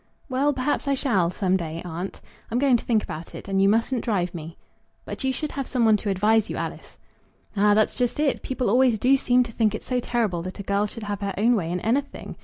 "Well, perhaps I shall, some day, aunt. I'm going to think about it, and you mustn't drive me." "But you should have some one to advise you, Alice." "Ah! that's just it. People always do seem to think it so terrible that a girl should have her own way in anything.